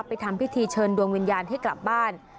ทำพิธีเชิญดวงวิญญาณให้กลับบ้าน